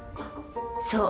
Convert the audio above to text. そう。